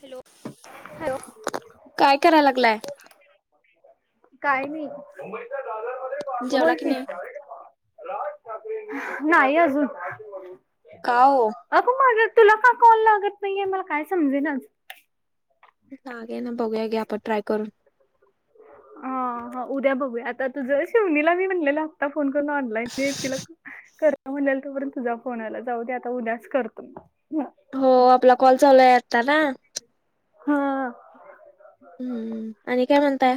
Hello hello काय कराय लागलाय. काय नाही जेवला बोल की. [inaudible] नाही नाही अजून. [inaudible] का हो. अगं माझ तुला का कॉल लागत नाहीये मला काय समजे ना लागे ना, बघूया गे आपण ट्राय करून. अ ह उद्या बघूया आता तुझं शिवणीला मी म्हणलेला. फोन करून ऑनलाईन दे तिला. [unintelligible] म्हणलेल तो परर्यंत तुझा फोन आला जाऊ दे आता उद्याच करतो. हो आपला कॉल चालू आता ना. हा. हम्म आणि काय म्हणताय.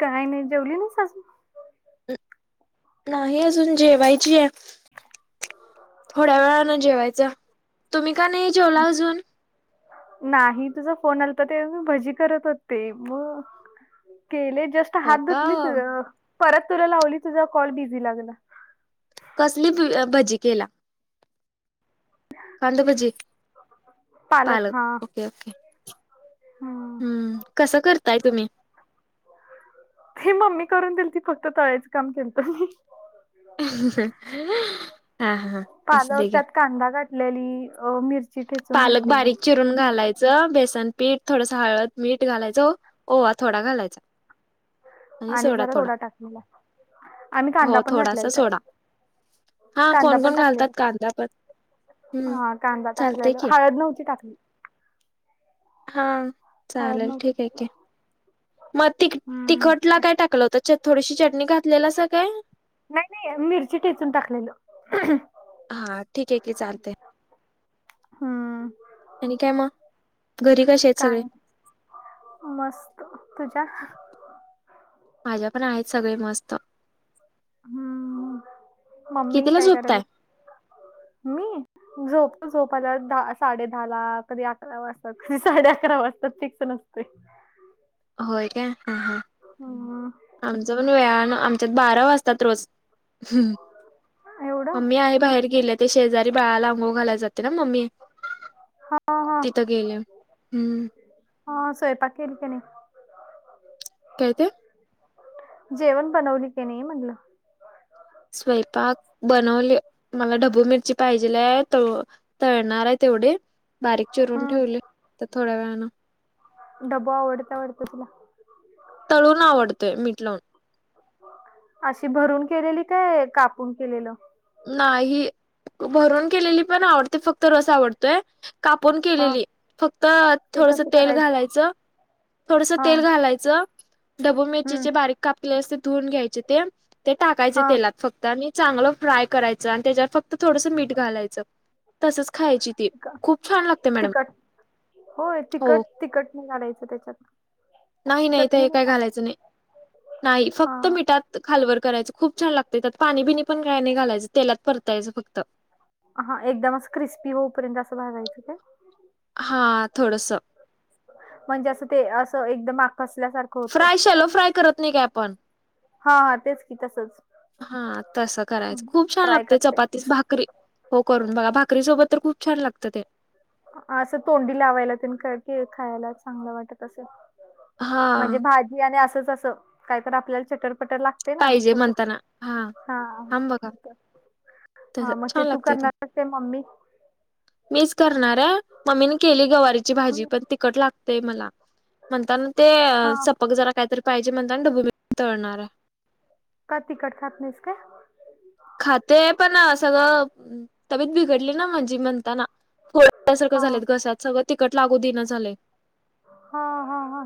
काही नाही जेवली नाही सजू नाही अजून जेवायची आहे. थोड्या वेळान जेवायच तुम्ही का नाही जेवला अजून. नाही तुझा फोन आल तर ते मी भजी करत होते मग. केले जस्ट हो हात का धुतली तु परत तुला लावली तुझा कॉल बिझी लागला. कसली भ भजी केला. कांदभजी पालक ओके ओके. हम्म कसं करताय तुम्ही? ही मम्मी करून दिल ती फक्त तळायचं काम केल तर. हा हा. असं पालक दे त्यात कांदा घाठलेली मिर पलक बारीक च. ून घालायचं बेसन पीठ थोडस हळद मीठ घालायचं ओवा थोडा घालायचा. [inaudible] आणि सोडा थोडा आम्ही कांदा हो पण थोडासा घातलेला सोडा. त्यात हा कांदा कोण पण कोण घालतात टाकलेला कांदापत हम्म. हा कांदा चालतय टाकलेला की हळद नव्हती टाकली. हा हळद चालेल नव्हतं ठीक आहे टाकलं क मग ति हम्म. तिखटला काय टाकलं होत थोडीशी चटणी घातले अस काय? नाही नाही मिरची टेचून टाकलेल. हा ठीक आहे की चालतय हम्म. आणि काय मग घरी कसे आहेत सगळे? काय मस्त तुझ्या? माझ्या पण आहेत सगळे मस्त. हम्म मम्मी कितीला काय करायल. [inaudible] मी. झोप झोपाला साडे दहा ला कधी अकरा वाजतात कधी साडे अकरा वाजतात ते नसते. होय त्या हा हा हो. आमच पण वेळाने आमच्यात बारा वाजतात रोज. हम्म एवढं मम्मी आहे बाहेर गेले ते शेजारी बाळाला अंघोळ घालायला जाते ना मम्मी. हा हा तिथं गेले हम्म. हा स्वयंपाक केली काय नाही? काय ते? जेवण बनवली की नाही म्हणलं. स्वयंपाक बनवले मला ढबू मिरची पाहिजेय त तळणार आहे तेवढे बारीक चिरून ठेवले हम्म तर थोड्या वेळान. ढबू आवडत आवडतं तुला? तळून आवडतोय मीट लावून. अशी भरून केलेली काय कापून केलेलं. नाही भरून केलेली पण आवडते फक्त रस आवडतोय. कापून हा केलेली फक्त ते थोडस कसं तेल करायचं घालायचं. थोडस हा तेल घालायचं. धबू हम्म मिरचीचे बारीक कापले असते धुवून घ्यायचे ते ते टाकायचे हा तेलात फक्त. आणि चांगलं फ्राय करायचं आणि त्याच्यावर फक्त थोडसं मीठ घालायचं तसंच खायची ती खूप छान लागते मॅडम तिकट होय हो तिकट तिकट नाही घायचं त्याच्यात नाही नाही ते चटणी हे काही टाकायची घालायचं नाही नाही हा फक्त मिठात खालवर करायचं खूप छान लागते त्यात पाणी बिनी पण काही नाही घालायचं तेलात परतायचं फक्त हा एकदम असं क्रिस्पी होऊपर्यंत असं भागायचं काय हा थोडसं म्हणजे असं ते असं एकदम माकसल्यासारखं फ्राय शॅलो फ्राय करत नाही काय आपण हा हा तेच की तसंच हा तसं करायचं खूप छान ट्राय लागते करते चपातीस भाकरी हो करून बघा भाकरी सोबत तर खूप छान लागतं ते असं तोंडी लावायला त्यां खायला चांगलं वाटत असं हा म्हणजे भाजी आणि असंच असं काहीत आपल्याला चटरपटर लागत ते पाहिजे नास म्हणताना हा थांब बघा तस हा मग ते छान तू लागत करणार आहेस काय मम्मी? मीच करणार आहे मम्मीने केली गवारीची भाजी पण तिकट लागतेय मला. म्हणताना ते हा सपक जरा काहीतरी पाहिजे म्हणताना ढभुमिरची तळणार आहे. का तिकट खात नाहीस काय? खाते पण सगळं तबेत बिघडली ना माझी म्हणताना. ख्यासारखं हा झाले घसत सगळं तिकट लागू देणं झालं हा हा हा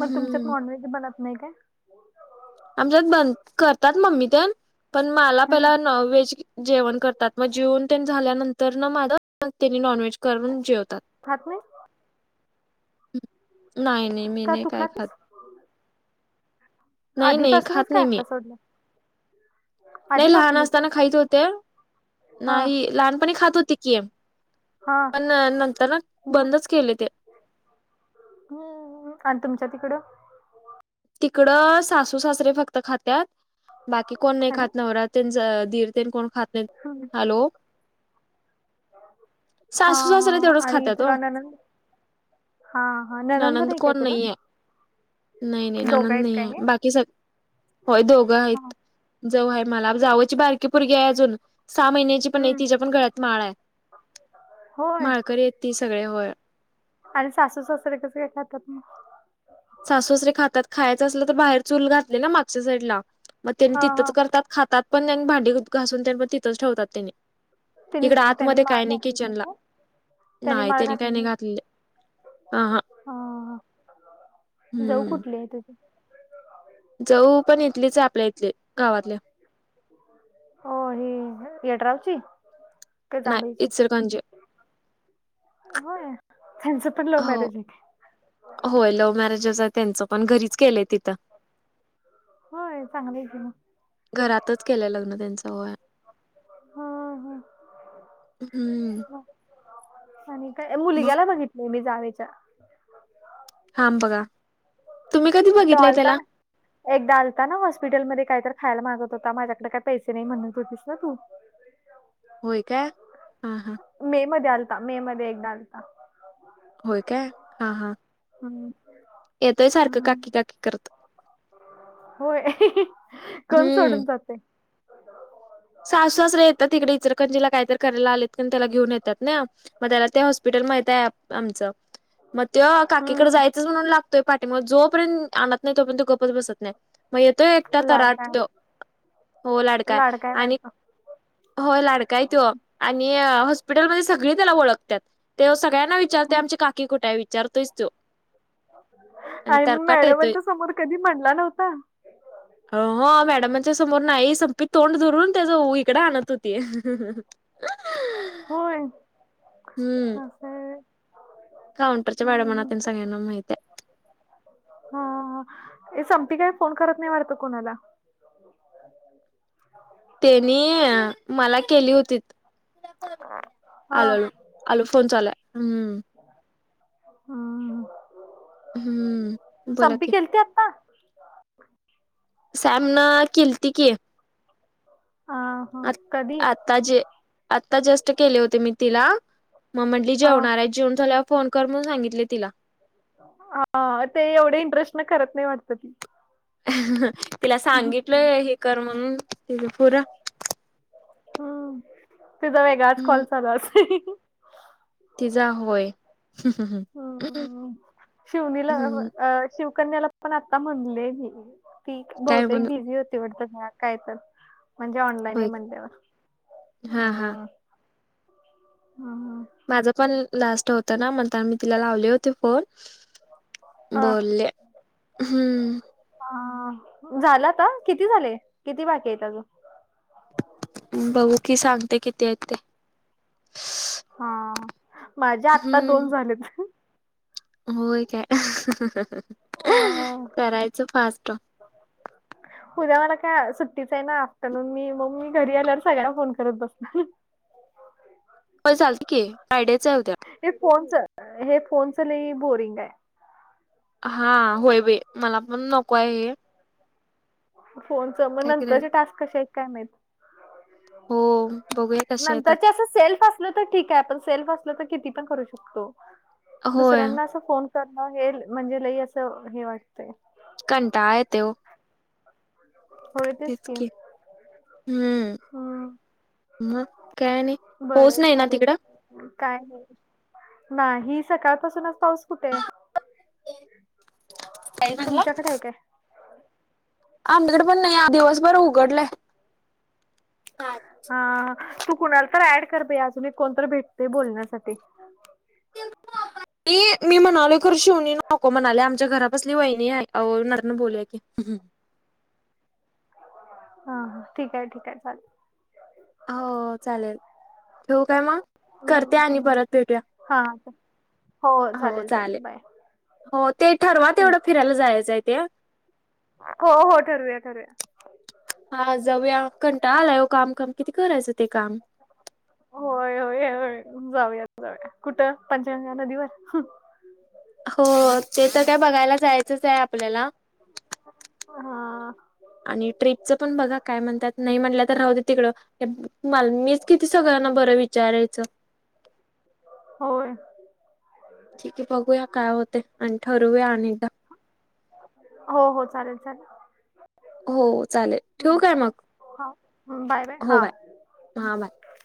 मग तुमच्यात मॉनवेज बनत नाही का आमच्यात बन करतात मम्मी ते पण मला हं, पहिला न व्हेज जेवण करतात मग जेवण झाल्यानंतर ना माझं त्यांनी नॉन व्हेज करून जेवतात खातू नाही नाही मी का नाही तू काय खात खातेस नाही नाही आधीपासूनच खात काय नाही मी आता सोडलं नाही लहान आधीपासूनच आहे असताना खाईत होते हा नाही लहानपणी खात होती हा पण नंतर ना मग, बंदच केले ते हम्म आणि तुमच्या तिकडं तिकडं सासू सासरे फक्त खात्याात बाकी कोण नाही हॅलो खात नवरात त्यांच दीर कोण खात न हॅलो हा सासूच हा असल तेवढच आणि खात्यातो तुला ननंद हा हा ननंद नणंद काय कोण तुला नाही आहे नाही नाही. दोघं नणंद आहेत नाही काय हे आहे बाकी सग होय दोघं हा आहीत. जावु आहे मला जावची बारकी पुरगी आहे अजून सहा महिन्या पण नाही हम्म तिच्या पण घरात माळ आहे, होय माळकरी आहे ती सगळे होय. आणि सासू सासरे कस काय खातात मग? सासू सासरे खातात खायचं असलं तर बाहेर चूल घातले ना मागच्या साईडला. मग त्यानी हा तिथंच हा करतात खातात पण आणि भांडी घासून पण तिथंच ठेवतात त्यांनी. त्यांनी इकडं त्यांनी आतमध्ये काय माळ नाही घातली किचनला, का त्यांनी नाही माळ त्यानी काय घातली नाही घातलेले. ह हा. जाऊ कुठली आहे तुझी? जावु पण इतलीच आहे आपल्या इथली गावातली. हो हे यडरावची. काय नाही जांभळीची? इचलकरंजी होय, त्यांचं पण लव हो मॅरेज आहे काय? होय लव्ह मॅरेजच आहे त्यांचं पण घरीच केलंय तिथं. होय चांगलं आहे की म. घरातच केलंय लग्न त्यांच होय. हा हम्म. आणि काय? मग मुलग्याला बघितलंय मी जावेच्या. हांम बघा. तुम्ही कधी तो बघितलंय आलता त्याला ना. एकदा आलता ना हॉस्पिटलमध्ये काहीतरी खायला मागत होता, माझ्याकडे काय पैसे नाही म्हणत होतीस ना तू. होय काय. हा, हा. मे मध्ये आलता. मे मध्ये एकदा आलता. होय काय. हा, हा. हम्म. येतोय सारखं हं काकी काकी करत होय. कोण हम्म सोडून जा सासु सासरे येतात. इकडे इचलकरंजीला काहीतरी करायला आलेत कणी त्याला घेऊन येतात ना. मग त्याला ते हॉस्पिटल माहिताय आ आमचं मग तो काकीकडे हम्म जायचंच म्हणला. तोय पाठीमग जोपर्यंत आणत नाही, तोपर्यंत तो गप्पच बसत नाही. मग ये तो एकटा तराट लाडकाय तो, हो लाडका हाय. लाडकाय वाढतो होय लाडकाय तो आणि हॉस्पिटलमध्ये सगळी त्याला ओळखत्यात. तो सगळ्यांना विचारतोय. हम्म. आमची काकी कुठे हाय? विचारतोयच तो. आणि मग मॅडमांच्या समोर कधी म्हणला नव्हता. हो मॅडमच्या समोर नाही संपी तोंड ध - - म्हून त्याच [unintelligible] इकड आणत होती. होय. ह. काउंटरच्या मॅडमांना हम्म. तेन सगळ्यांना माहिताय. हा, हा, हा. संपी काय फोन करत नाही वाटत कोणाला. तेनी मला केली होतीत, हा आलो, आलो. आलो, फोन चालुयं. हम्म. हम्म. हम्म बोला संपी की केलती आता. सॅमन केलती की. ह कधी? आता जे आता जस्ट केले होते मी तिला मग म्हंटली हा जेवणारायं जेवुण झाल्यावर फोन कर म्हणून सांगितले तिला. हा ते एवढे इंटरेस्टन करत नाही वाटत ती. तिला सांगितलोय हे कर म्हणून तीच फुर. हम्म. तीचा वेगळाच कॉल चालू असतोय. तीजा होय. हम्म. हम्म शिवनीला अ शिवकन्याला पण आता म्हणले मी ती काय बहुतेक म्हणू बिझी हो [unintelligible] काय तर म्हणजे ऑनलाईनही होय म्हणल्यावर. हा हा हम्. हा आ. माझ पण लास्ट होतं ना म्हणताना मी तिला लावले होते फोन. हा बोलले हम्म. ह झाला आता किती झाले? किती बाकी हाईत आजुन? बघु कि सांगते किती हाय ते. हा, हा. माझे आत्ता दोन हम्म झालेत. होय काय, अ, करायचं फास्ट. उद्या मला काय सुट्टीचं हे ना, म्हणुन मी मग मी घरी आल्यावर सगळ्यांना फोन करत बसणार. हो चालत की, फ्रायडेच हाय उद्या. हे फोनच, हे फोनच ल बोरिंगायं. हा होय बाई. मला पण नको आहे हे. फोनच मग काय करायच नंतरचे टास्क कसे आहेत काय नाहीत. हो बघूया कशा येतात नंतरचे असं सेल्फ अस - - लतर ठिक हाय. सेल्फ असलं तर कितीपण करू शकतो. होय दुसऱ्यांना असं फोन करण हे म्हणजे लई असं हे वाटतंय. कटाळ येतोय ओ. होय तेच की. हम्म मग काय नाही पोहोच बरं नाही ना चालेल तिकडं! काय नाही ना हि सकाळ पासूनच पाऊस कुठे. काय म्हणला तुमच्याकडे आहे काय? आमच्याकडे पण नाही दिवसभर उघडलंय. हा तू कुणाला तर ऍड कर अजून कोणत भेटते बोलण्यासाठी? म मी म्हणालो खर शेवणी नको म्हणाले आमच्या घरापसली वहिणी आहे नरन बोलू ह्म हा ह ठीक आहे ठीक आहे चालेल हो चालेल ठेव काय मग करते आणि परत भेटूया. हा हो चालेल हो ते ठरवा तेवढं बाय फिरायला जायचंय ते हो हो ठरूया ठरवूया हा जाऊया कंटा आलाय काम काम किती करायचं ते काम. होय होय जाऊयात जाऊया कुठं पंचगंगा नदीवर हो ते तर काय बघायला जायचंच आहे आपल्याला हा आणि ट्रीपचं पण बघा काय म्हणतात नाही म्हटलं तर राहते तिकडं मला मीच किती सगळ्यांना बरं विचारायचं. होय ठीक आहे बघूया काय होते आणि ठरवया अनेकदा हो हो चालेल चालेल हो चालेल ठेवक आहे मग हा हो बाय हां बाय